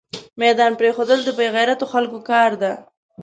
ميدان پريښودل دبې غيرتو خلکو کار ده